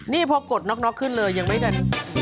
นี่พอกดน็อกขึ้นเลยยังไม่ทัน